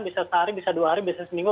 bisa sehari bisa dua hari bisa seminggu